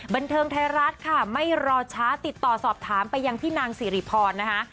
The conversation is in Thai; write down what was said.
บันเทิงไทยรัฐค่ะไม่รอช้าติดต่อสอบถามไปยังพี่นางสิริพรนะคะ